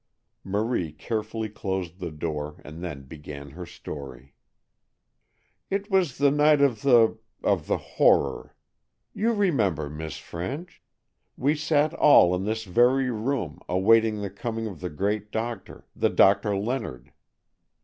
Marie carefully closed the door, and then began her story: "It was the night of the—of the horror. You remember, Miss French, we sat all in this very room, awaiting the coming of the great doctor—the doctor Leonard."